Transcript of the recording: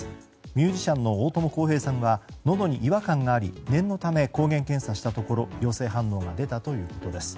ミュージシャンの大友康平さんはのどに違和感があり念のため抗原検査したところ陽性反応が出たということです。